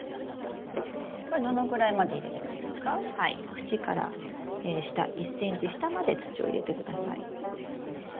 縁から下１ｃｍ下まで土を入れてください。